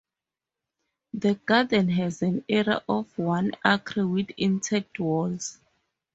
The garden has an area of one acre with intact walls.